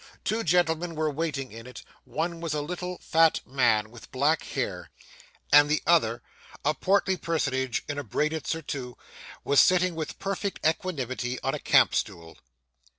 Two gentlemen were waiting in it; one was a little, fat man, with black hair; and the other a portly personage in a braided surtout was sitting with perfect equanimity on a camp stool.